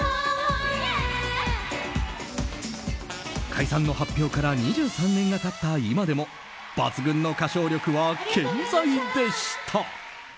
解散の発表から２３年が経った今でも抜群の歌唱力は健在でした。